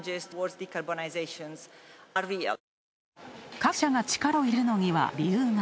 各社が力を入れるのには理由が。